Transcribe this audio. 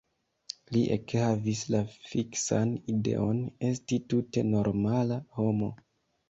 Li ekhavis la fiksan ideon esti tute normala homo.